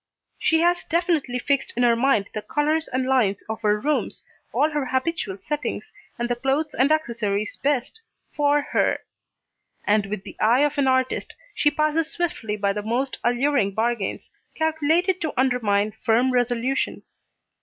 She has definitely fixed in her mind the colours and lines of her rooms, all her habitual settings, and the clothes and accessories best for her. And with the eye of an artist, she passes swiftly by the most alluring bargains, calculated to undermine firm resolution.